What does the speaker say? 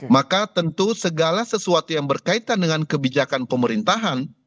maka tentu segala sesuatu yang berkaitan dengan kebijakan pemerintahan